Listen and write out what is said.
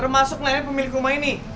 masuk nanya pemilik rumah ini